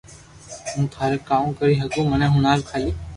ھون ٿاري ڪاو ڪري ھگو مني ھڻاو کالي